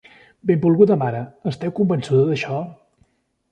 Benvolguda mare, esteu convençuda d'això?